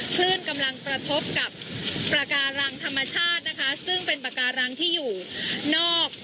คลื่นกำลังกระทบกับปากการังธรรมชาตินะคะซึ่งเป็นปากการังที่อยู่นอก